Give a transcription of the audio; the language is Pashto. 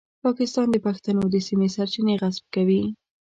پاکستان د پښتنو د سیمې سرچینې غصب کوي.